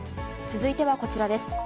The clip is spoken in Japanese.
続いてはこちらです。